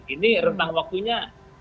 ini retang waktunya